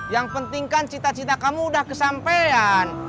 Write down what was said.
yang pentingkan cita cita kamu udah kesampean